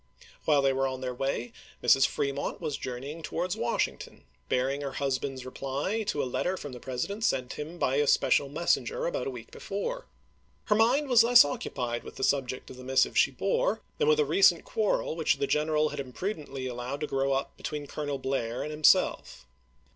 While they were on theii' way, Mrs. Fremont was jour neying towards Washington, bearing her husband's reply to a letter from the President sent him by special messenger about a week before. Her mind was less occupied with the subject of the mis sive she bore than with a recent quarrel which the general had imprudently allowed to grow up between Colonel Blair and himself.